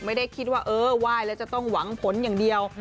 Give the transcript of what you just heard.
ไม่ได้คิดว่าเออไหว้แล้วจะต้องหวังผลอย่างเดียว